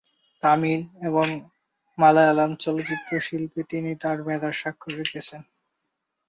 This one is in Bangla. তামিল এবং মালয়ালম চলচ্চিত্র শিল্পে তিনি তার মেধার স্বাক্ষর রেখেছেন।